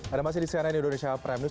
ada masih di cnn indonesia prime news